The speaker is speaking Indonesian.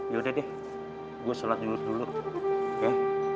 ya udah deh gue sholat julus dulu oke